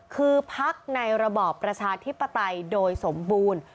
คือพักในระบอบประชาธิปไตยโดยสมบูรณ์